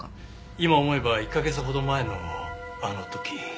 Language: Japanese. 今思えば１カ月ほど前のあの時。